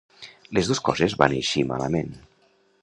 Les dos coses van eixir malament.